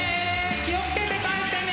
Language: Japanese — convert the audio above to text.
気を付けて帰ってね！